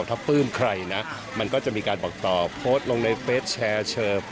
ช่วยกับใครนะมันก็จะมีการบอกตอบโพสต์ลงไนเฟสแชร์แชมป์